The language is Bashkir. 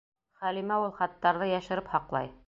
Хәлимә ул хаттарҙы йәшереп һаҡлай.